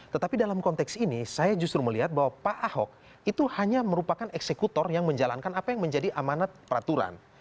tetapi dalam konteks ini saya justru melihat bahwa pak ahok itu hanya merupakan eksekutor yang menjalankan apa yang menjadi amanat peraturan